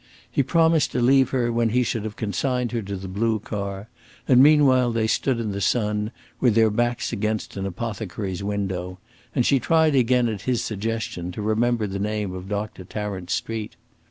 He promised to leave her when he should have consigned her to the blue car; and meanwhile they stood in the sun, with their backs against an apothecary's window, and she tried again, at his suggestion, to remember the name of Doctor Tarrant's street.